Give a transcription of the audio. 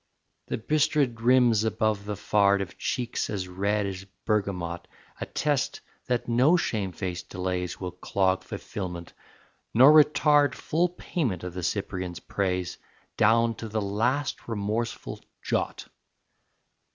The bistred rims above the fard Of cheeks as red as bergamot Attest that no shamefaced delays Will clog fulfilment, nor retard Full payment of the Cyprian's praise Down to the last remorseful jot.